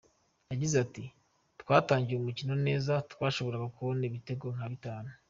Yagize ati " Twatangiye umukino neza, twashoboraga kubona ibitego nka bitatu.